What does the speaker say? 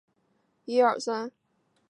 皮伊塞蓬图瓦兹人口变化图示